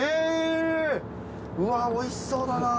うわぁおいしそうだな。